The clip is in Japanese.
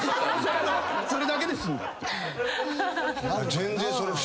それだけで済んだって。